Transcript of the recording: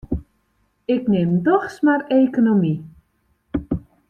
Ik nim dochs mar ekonomy.